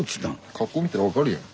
格好見たら分かるやん。